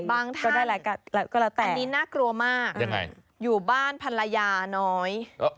บางท่านอันนี้น่ากลัวมากอยู่บ้านภรรยาน้อย